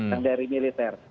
yang dari militer